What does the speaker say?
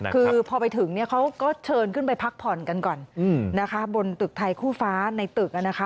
คือพอไปถึงก็เชิญไปพักผ่อนกันก่อนบนตึกไทยคู่ฟ้าในตึก